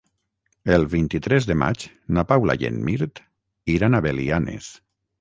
El vint-i-tres de maig na Paula i en Mirt iran a Belianes.